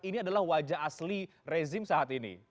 ini adalah wajah asli rezim saat ini